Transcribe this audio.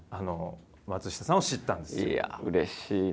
いやあうれしいな。